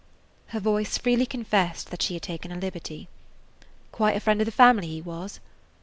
Her voice freely confessed that she had taken a liberty. "Quite a friend of the family he was."